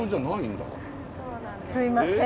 すいません。